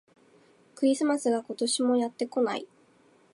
クリスマスが、今年もやってこない